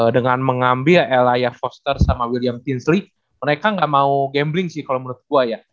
dengan mengambil elaya foster sama william tinsleae mereka gak mau gambling sih kalau menurut gua ya